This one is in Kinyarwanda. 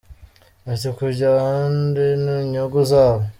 Ati” Kujya ahandi ni unyungu zabo.